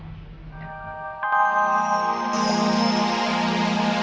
sampaikan ke saya sebelum kami berangkat